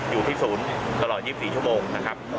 อยู่ที่ศูนย์ตลอด๒๔ชั่วโมงนะครับ